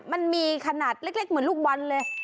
มันมีขนาดเล็กเหมือนลูกบอลเลย